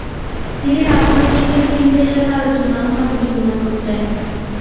তিনি রাজনৈতিক নেতৃবৃন্দের সাথে আলোচনা ও মত বিনিময় করতেন।